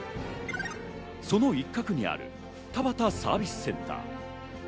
その一角にある、田端サービスセンター。